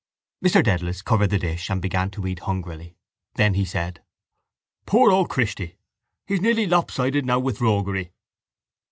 Mr Dedalus covered the dish and began to eat hungrily. Then he said: —Poor old Christy, he's nearly lopsided now with roguery.